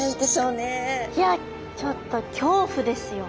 いやちょっときょうふですよ。